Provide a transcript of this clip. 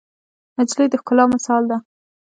نجلۍ د ښکلا مثال ده.